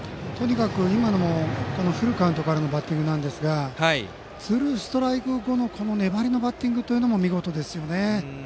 今のもフルカウントからのバッティングでしたがツーストライク後の粘りのバッティングも見事ですね。